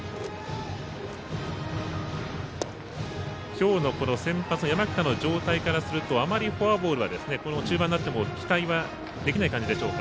今日の先発の山北の状態からするとあまりフォアボールは中盤になっても期待はできない感じでしょうか。